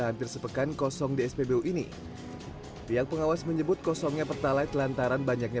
hampir sepekan kosong di spbu ini pihak pengawas menyebut kosongnya pertalite lantaran banyaknya